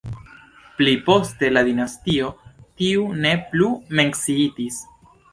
Pli poste la dinastio tiu ne plu menciitis.